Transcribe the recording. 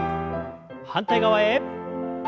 反対側へ。